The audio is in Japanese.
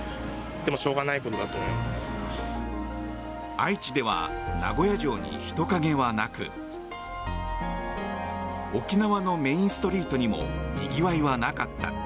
愛知では名古屋城に人影はなく沖縄のメインストリートにもにぎわいはなかった。